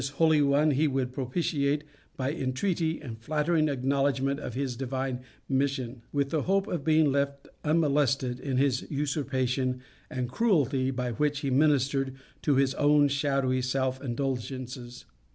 This holy one he would propitiate by entreaty and the flattering acknowledgment of his divine mission, with the hope of being left unmolested in the usurpation and cruelty by which he ministered to his own shadowy self indulgences.